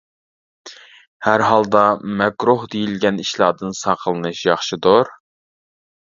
ھەر ھالدا مەكرۇھ دېيىلگەن ئىشلاردىن ساقلىنىش ياخشىدۇر.